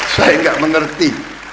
saya gak mengerti